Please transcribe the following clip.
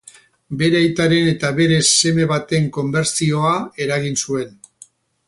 Bere aitaren eta bere seme baten konbertsioa eragin zuen.